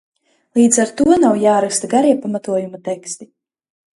Līdz ar to nav jāraksta garie pamatojuma teksti.